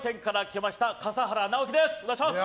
お願いします。